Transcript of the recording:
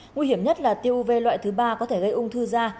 nguy hiểm nhất là tiêu uv loại thứ ba có thể gây ung thư da